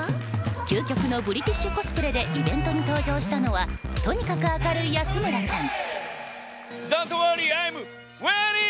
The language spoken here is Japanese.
究極のブリティッシュコスプレでイベントに登場したのはとにかく明るい安村さん。